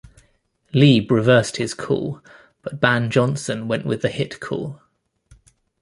Lieb reversed his call, but Ban Johnson went with the hit call.